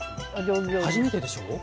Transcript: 初めてでしょ。